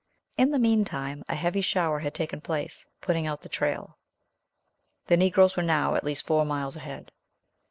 In the meantime a heavy shower had taken place, putting out the trail. The Negroes were now at least four miles ahead.